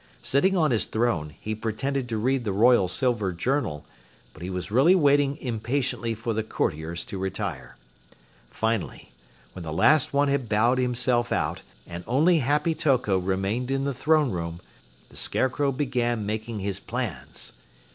Sitting on his throne, he pretended to read the Royal Silver Journal, but he was really waiting impatiently for the courtiers to retire. Finally, when the last one had bowed himself out and only Happy Toko remained in the throne room, the Scarecrow began making his plans.